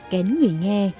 kén người nghe